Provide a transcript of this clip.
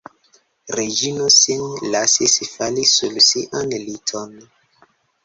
Reĝino sin lasis fali sur sian liton.